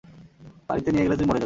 বাড়িতে নিয়ে গেলে তুই মরে যাবি।